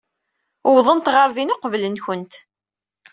Uwḍent ɣer din uqbel-nwent.